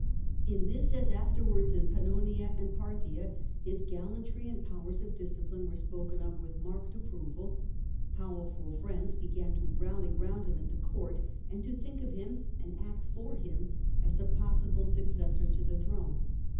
In this, as afterwards in Pannonia and Parthia, his gal lantry and powers of discipline were spoken of with marked approval ; powerful friends began to rally round him at the court, and to think of him and act for him as a possible successor to the throne.